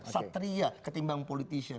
satria ketimbang politician